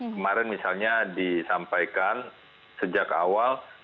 kemarin misalnya disampaikan sejak awal